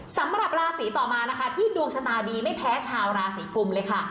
สำหรับราศีต่อมานะคะที่ดวงชะตาดีไม่แพ้ชาวราศีกุมเลยค่ะ